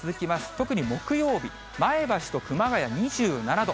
特に木曜日、前橋と熊谷２７度。